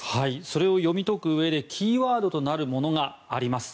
それを読み解くうえでキーワードがあります。